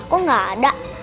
kok ga ada